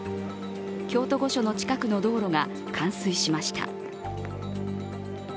京都御所の近くの道路が冠水しました。